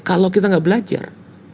kalau kita nggak belajar